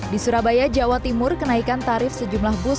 di surabaya jawa timur kenaikan tarif sejumlah bus